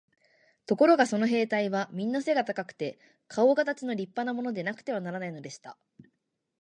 ところがその兵隊はみんな背が高くて、かおかたちの立派なものでなくてはならないのでした。